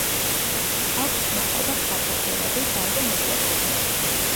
აქვთ მოკლე და ფართო ყურები, ძალზე მოკლე კუდი.